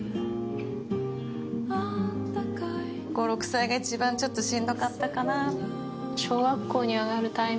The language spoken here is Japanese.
５６歳が一番ちょっとしんどかったかな。